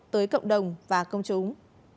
tới cộng đồng và công chúng